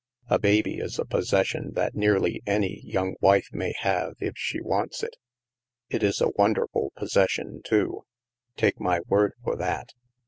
A baby is a possession that nearly any young wife may have, if she wants it. It is a won derful possession too. Take my word for that."